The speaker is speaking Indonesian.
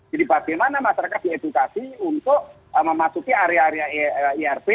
jadi bagaimana masyarakat diedukasi untuk memasuki area area irb